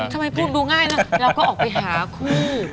ทำไมพูดดูง่ายแล้วเราก็ออกไปหาคู่